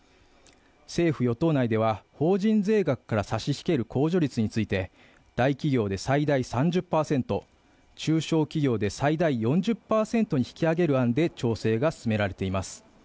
政府・与党内では法人税額から差し引ける控除率について大企業で最大３０％、中小企業で最大４０％に引き上げる案で調整が進められています。